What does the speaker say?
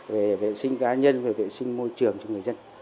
về vệ sinh cá nhân về vệ sinh môi trường cho người dân